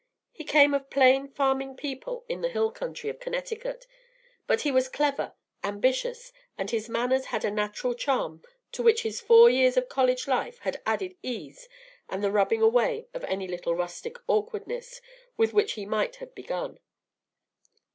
He came of plain farming people in the hill country of Connecticut; but he was clever, ambitious, and his manners had a natural charm, to which his four years of college life had added ease and the rubbing away of any little rustic awkwardness with which he might have begun.